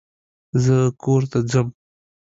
زه کورته ځم.